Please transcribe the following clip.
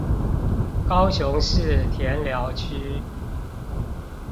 高雄市田寮區